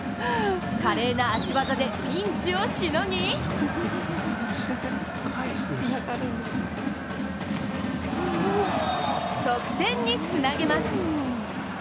華麗な足技でピンチをしのぎ得点につなげます。